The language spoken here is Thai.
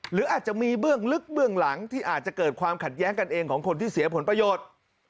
หรืออาจจะมีเบื้องลึกเบื้องหลังที่อาจจะเกิดความขัดแย้งกันเองของคนที่เสียผลประโยชน์